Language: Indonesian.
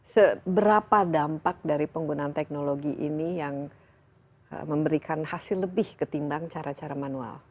seberapa dampak dari penggunaan teknologi ini yang memberikan hasil lebih ketimbang cara cara manual